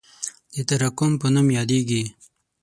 د تراکم په نوم یادیږي.